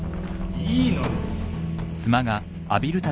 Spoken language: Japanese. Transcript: いいのに。